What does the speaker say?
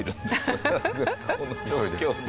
この状況で。